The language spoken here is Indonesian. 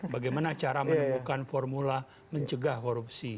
bagaimana cara menemukan formula mencegah korupsi